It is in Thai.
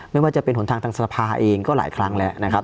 ไม่ว่าจะเป็นหนทางทางสภาเองก็หลายครั้งแล้วนะครับ